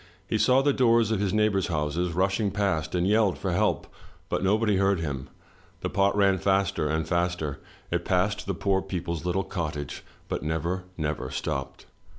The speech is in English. He saw the doors of his neighbors' houses rushing past, and yelled for help, but nobody heard him. The pot ran faster and faster. It passed the poor people's little cottage, but never, never stopped.